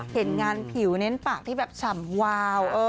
เห็นงานผิวเน้นปากที่แบบฉ่ำวาว